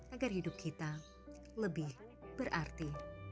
agar hidup kita lebih berarti